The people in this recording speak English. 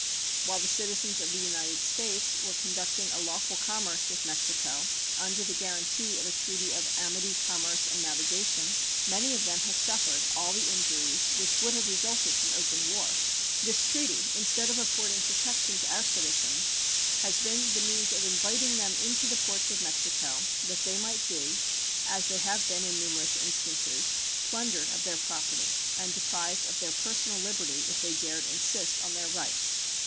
While the citizens of the United States were conducting a lawful commerce with Mexico under the guaranty of a treaty of "amity, commerce, and navigation," many of them have suffered all the injuries which would have resulted from open war. This treaty, instead of affording protection to our citizens, has been the means of inviting them into the ports of Mexico that they might be, as they have been in numerous instances, plundered of their property and deprived of their personal liberty if they dared insist on their rights.